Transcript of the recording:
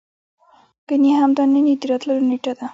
ګني همدا نن يې د راتللو نېټه ده.